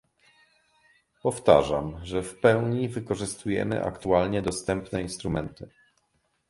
Powtarzam, że w pełni wykorzystujemy aktualnie dostępne instrumenty